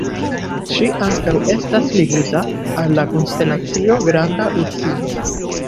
Ŝi ankaŭ estas ligita al la konstelacio Granda Ursino.